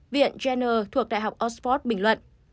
john jenner thuộc đại học oxford bình luận